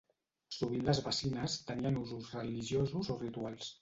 Sovint les bacines tenien usos religiosos o rituals.